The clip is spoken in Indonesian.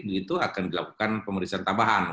itu akan dilakukan pemeriksaan tambahan